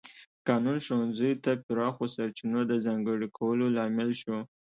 قانون ښوونځیو ته پراخو سرچینو د ځانګړي کولو لامل شو.